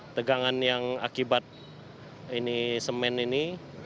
ini ada tegangan yang akibat ini semen ini